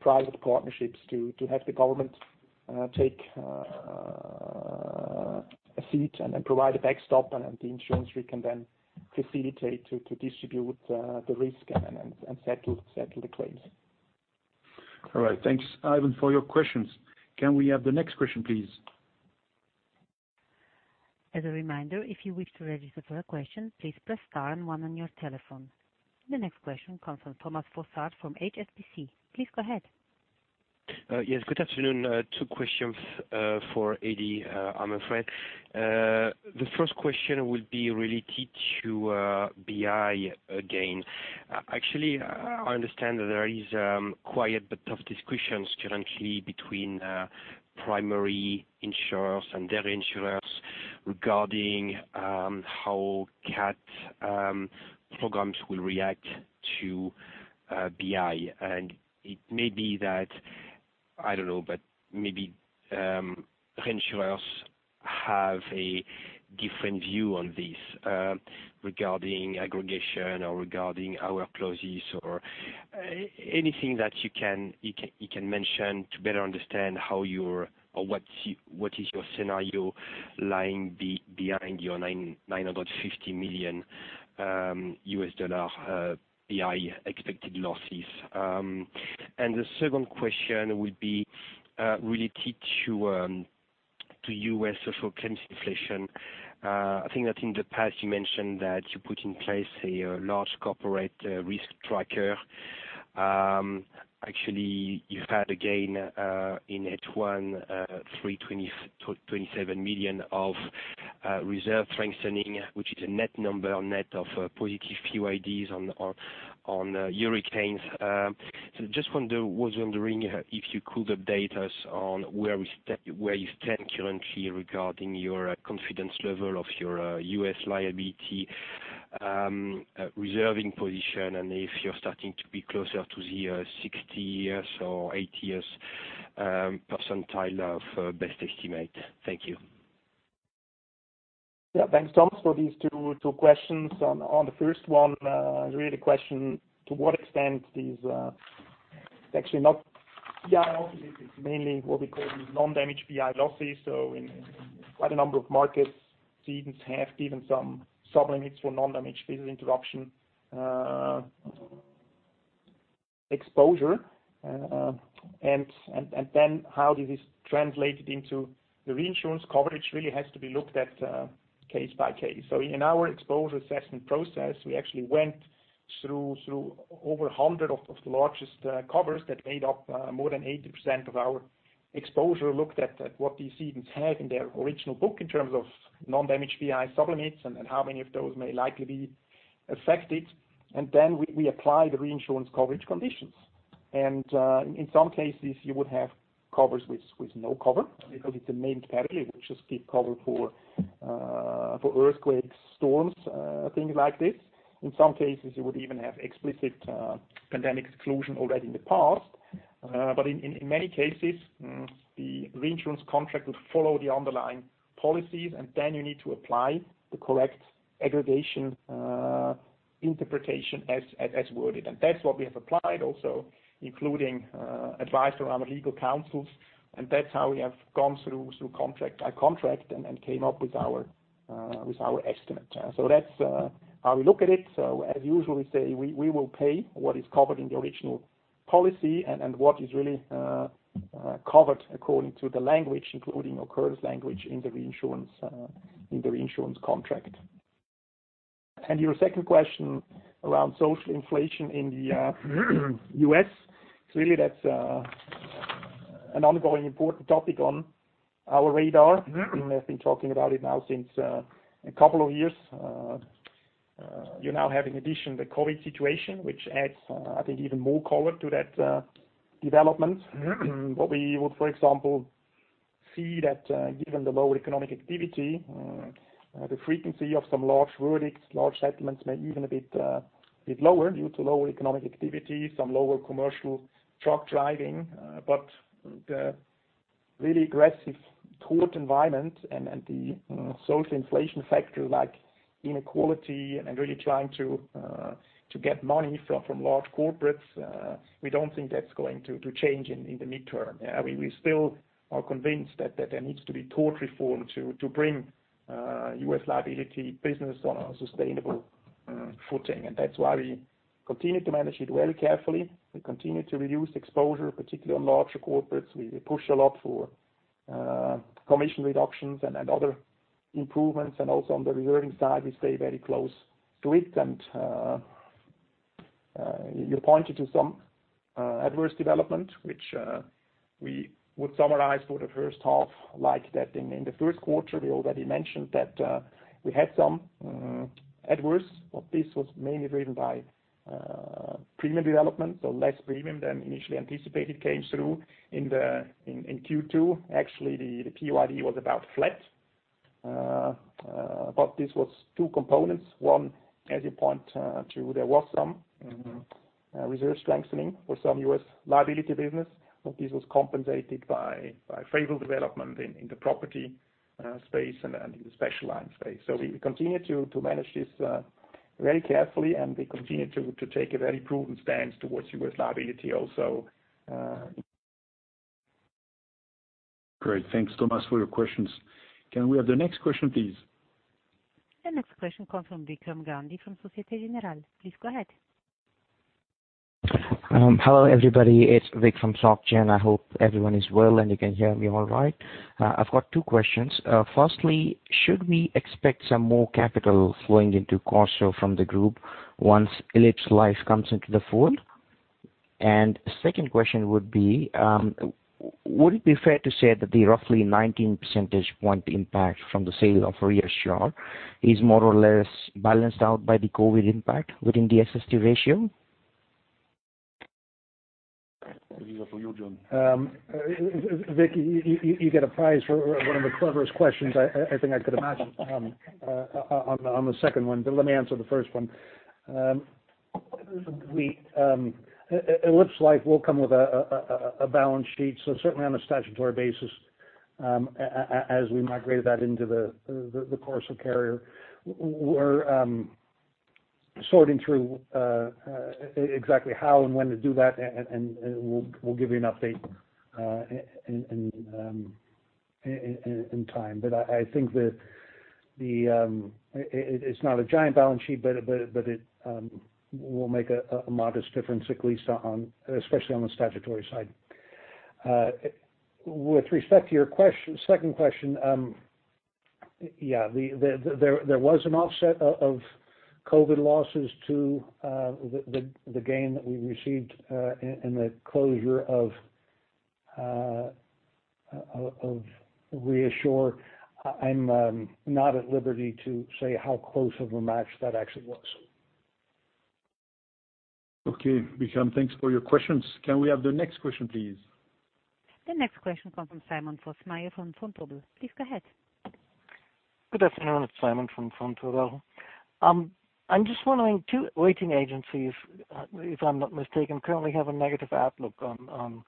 Speaker 6: private partnerships to have the government take a seat and then provide a backstop, and the insurance, we can then facilitate to distribute the risk and settle the claims.
Speaker 3: All right. Thanks, Ivan, for your questions. Can we have the next question, please?
Speaker 1: As a reminder, if you wish to register for a question, please press star and one on your telephone. The next question comes from Thomas Fossard from HSBC. Please go ahead.
Speaker 12: Yes, good afternoon. Two questions for Edi, I'm afraid. The first question will be related to BI again. Actually, I understand that there is quiet but tough discussions currently between primary insurers and their insurers regarding how CAT programs will react to BI. It may be that, I don't know, but maybe reinsurers have a different view on this regarding aggregation or regarding our clauses or anything that you can mention to better understand what is your scenario lying behind your $950 million BI expected losses. The second question will be related to U.S. social claims inflation. I think that in the past, you mentioned that you put in place a large corporate risk tracker. Actually, you had a gain in net $1,327 million of reserve strengthening, which is a net number or net of positive PYDs on hurricanes. Just was wondering if you could update us on where you stand currently regarding your confidence level of your U.S. liability reserving position, and if you're starting to be closer to the 60 years or 80 years percentile of best estimate? Thank you.
Speaker 6: Yeah. Thanks, Thomas, for these two questions. On the first one, really the question, to what extent actually not BI losses, it is mainly what we call non-damage BI losses. In quite a number of markets, cedents have given some sublimits for non-damage business interruption exposure. How this is translated into the reinsurance coverage really has to be looked at case by case. In our exposure assessment process, we actually went through over 100 of the largest covers that made up more than 80% of our exposure, looked at what these cedents have in their original book in terms of non-damage BI sublimits and how many of those may likely be affected. We apply the reinsurance coverage conditions. In some cases, you would have covers with no cover because it is a named category, which is give cover for earthquake storms, things like this. In some cases, you would even have explicit pandemic exclusion already in the past. In many cases, the reinsurance contract would follow the underlying policies, and then you need to apply the correct aggregation interpretation as worded. That's what we have applied also, including advice from our legal counsels. That's how we have gone through contract by contract and came up with our estimate. That's how we look at it. As usual, we say, we will pay what is covered in the original policy and what is really covered according to the language, including occurrence language in the reinsurance contract. Your second question around social inflation in the U.S., clearly that's an ongoing important topic on our radar. We have been talking about it now since a couple of years. You now have, in addition, the COVID situation, which adds, I think, even more color to that development. What we would, for example, see that given the lower economic activity, the frequency of some large verdicts, large settlements may even a bit lower due to lower economic activity, some lower commercial truck driving. The really aggressive court environment and the social inflation factor like inequality and really trying to get money from large corporates we don't think that's going to change in the midterm. We still are convinced that there needs to be court reform to bring U.S. liability business on a sustainable footing. That's why we continue to manage it very carefully. We continue to reduce exposure, particularly on larger corporates. We push a lot for commission reductions and other improvements. Also on the reserving side, we stay very close to it. You pointed to some adverse development, which we would summarize for the first half like that in the first quarter, we already mentioned that we had some adverse. This was mainly driven by premium development, so less premium than initially anticipated came through. In Q2, actually, the PYD was about flat. This was two components. One, as you point to, there was some reserve strengthening for some U.S. liability business, but this was compensated by favorable development in the property space and in the specialized space. We continue to manage this very carefully and we continue to take a very prudent stance towards U.S. liability also.
Speaker 3: Great. Thanks, Thomas, for your questions. Can we have the next question, please?
Speaker 1: The next question comes from Vikram Gandhi from Société Générale. Please go ahead.
Speaker 13: Hello, everybody. It's Vik from Soc Gen. I hope everyone is well and you can hear me all right. I've got two questions. Firstly, should we expect some more capital flowing into Corporate Solutions from the group once elipsLife comes into the fold? Second question would be, would it be fair to say that the roughly 19 percentage point impact from the sale of ReAssure is more or less balanced out by the COVID impact within the SST ratio?
Speaker 3: These are for you, John.
Speaker 5: Vik, you get a prize for one of the cleverest questions I think I could imagine on the second one. Let me answer the first one. elipsLife will come with a balance sheet, certainly on a statutory basis, as we migrated that into the Corso carrier. We're sorting through exactly how and when to do that, we'll give you an update in due time. I think that it's not a giant balance sheet, but it will make a modest difference, at least, especially on the statutory side. With respect to your second question, there was an offset of COVID losses to the gain that we received in the closure of ReAssure. I'm not at liberty to say how close of a match that actually was.
Speaker 3: Okay, Vikram, thanks for your questions. Can we have the next question, please?
Speaker 1: The next question comes from Simon Fössmeier from Vontobel. Please go ahead.
Speaker 14: Good afternoon. It's Simon from. I'm just wondering, two rating agencies, if I'm not mistaken, currently have a negative outlook on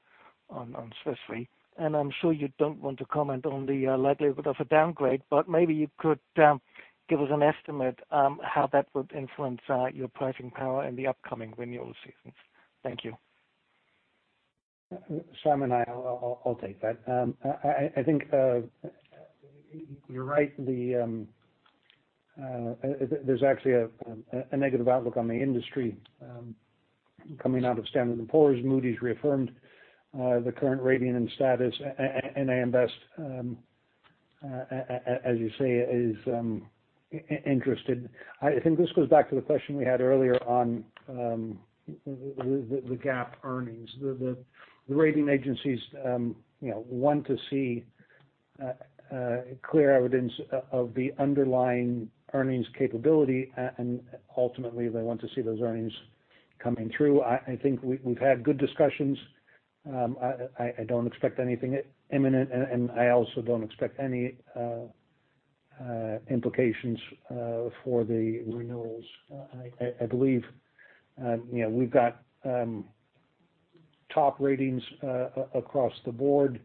Speaker 14: Swiss Re, and I'm sure you don't want to comment on the likelihood of a downgrade, but maybe you could give us an estimate how that would influence your pricing power in the upcoming renewal seasons? Thank you.
Speaker 5: Simon, I'll take that. I think you're right. There's atually a negative outlook on the industry coming out of Standard & Poor's. Moody's reaffirmed the current rating and status, and AM Best, as you say, is interested. I think this goes back to the question we had earlier on the GAAP earnings. The rating agencies want to see clear evidence of the underlying earnings capability, and ultimately, they want to see those earnings coming through. I think we've had good discussions. I don't expect anything imminent, and I also don't expect any implications for the renewals. I believe we've got top ratings across the board.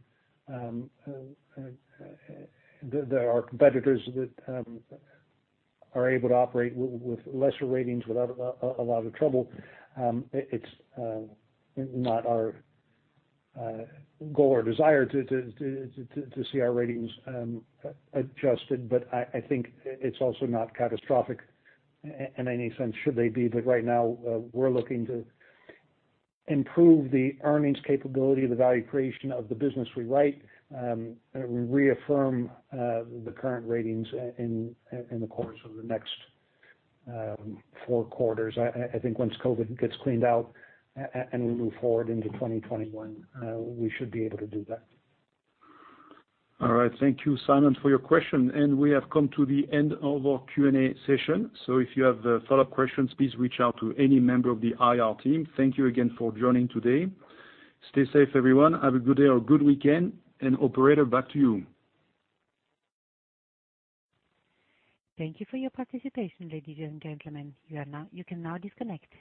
Speaker 5: There are competitors that are able to operate with lesser ratings without a lot of trouble. It's not our goal or desire to see our ratings adjusted, but I think it's also not catastrophic in any sense, should they be. Right now, we're looking to improve the earnings capability, the value creation of the business we write, reaffirm the current ratings in the course of the next four quarters. I think once COVID gets cleaned out, and we move forward into 2021, we should be able to do that.
Speaker 3: All right. Thank you, Simon, for your question. We have come to the end of our Q&A session. If you have follow-up questions, please reach out to any member of the IR team. Thank you again for joining today. Stay safe, everyone. Have a good day or good weekend. Operator, back to you.
Speaker 1: Thank you for your participation, ladies and gentlemen. You can now disconnect.